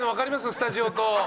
スタジオと。